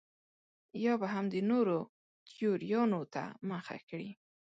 یا به هم د نورو تیوریانو ته مخه کړي.